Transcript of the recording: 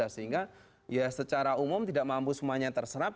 sehingga ya secara umum tidak mampu semuanya terserap